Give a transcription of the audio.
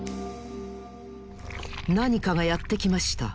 なにかがやってきました。